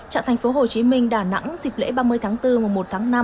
trạng tp hcm đà nẵng dịp lễ ba mươi tháng bốn và một tháng năm